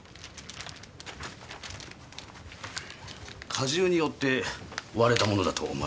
荷重によって割れたものだと思われます。